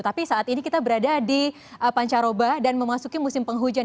tapi saat ini kita berada di pancaroba dan memasuki musim penghujan